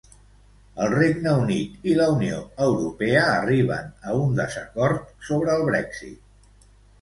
El Regne Unit i la Unió Europea arriben a un desacord sobre el Brexit.